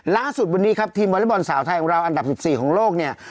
ล่าสุดวันนี้ครับทีมวอเล็กบอลสาวไทยของเราอันดับ๑๔ของโลกเนี่ย